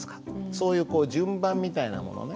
そういうこう順番みたいなものをね